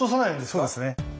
そうですね。